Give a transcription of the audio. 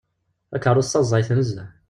Takeṛṛust-a ẓẓayet nezzeh.